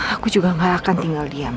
aku juga gak akan tinggal diam